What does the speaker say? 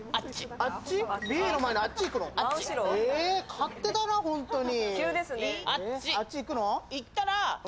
勝手だな、ホントに。